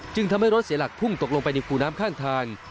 ทำให้รถเสียหลักพุ่งตกลงไปในคูน้ำข้างทาง